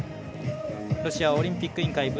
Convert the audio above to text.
ロシアオリンピック委員会